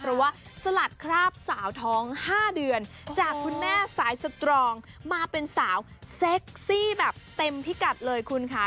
เพราะว่าสลัดคราบสาวท้อง๕เดือนจากคุณแม่สายสตรองมาเป็นสาวเซ็กซี่แบบเต็มพิกัดเลยคุณค่ะ